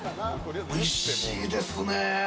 おいしいですね